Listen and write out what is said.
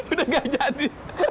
udah nggak jadi